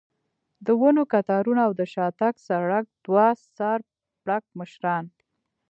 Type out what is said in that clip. د ونو کتارونه او د شاتګ سړک، دوه سر پړکمشران.